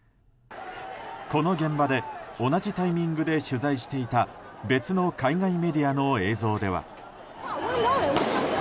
この現場で同じタイミングで取材していた別の海外メディアの映像では。